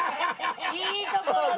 いいところで！